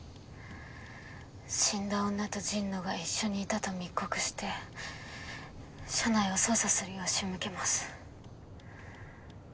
死んだ女と神野が一緒にいたと密告して車内を捜査するよう仕向けます。